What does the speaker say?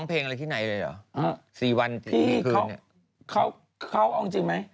แต่แต่อารมณ์